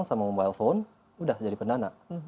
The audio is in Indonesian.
sama mobile phone udah jadi pendana